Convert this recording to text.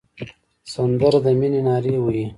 سندره د مینې نارې وهي